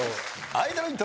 アイドルイントロ。